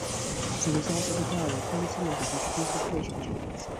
As a result of this dialogue, policy-makers introduced regulation changes.